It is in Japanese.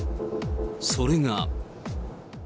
それが。